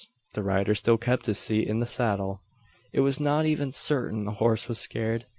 The rider still kept his seat in the saddle! It was not even certain the horse was scared.